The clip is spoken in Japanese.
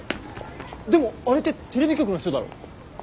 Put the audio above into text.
でもあれってテレビ局の人だろ？